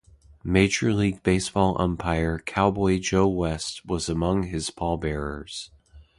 Major league baseball umpire "Cowboy" Joe West was among his pallbearers.